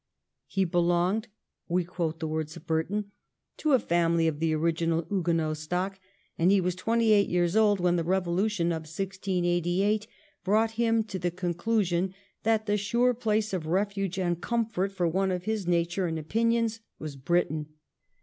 ' He belonged' — we quote the words of Burton — 'to a family of the original Huguenot stock ; and he was twenty eight years old when the Eevolution of 1688 brought him to the conclusion that the sure place of refuge and comfort for one of his nature and opinions was Britain.